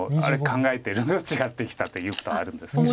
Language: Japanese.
考えてるのと違ってきたということはあるんですけれども。